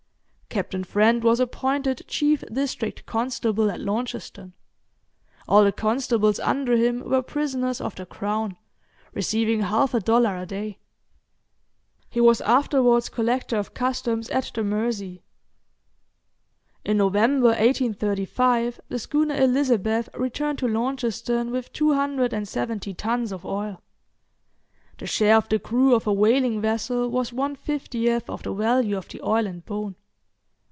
Captain Friend was appointed chief District Constable at Launceston; all the constables under him were prisoners of the Crown, receiving half a dollar a day. He was afterwards Collector of Customs at the Mersey. In November, 1835 the schooner 'Elizabeth' returned to Launceston with 270 tuns of oil. The share of the crew of a whaling vessel was one fiftieth of the value of the oil and bone.